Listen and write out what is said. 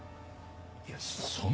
いやそんな。